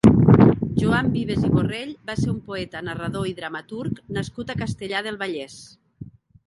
Joan Vives i Borrell va ser un poeta, narrador i dramaturg nascut a Castellar del Vallès.